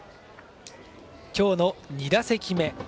今日の２打席目。